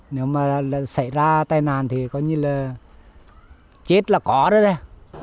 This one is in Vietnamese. nếu mà xảy ra tai nạn thì có như là chết là có rồi đấy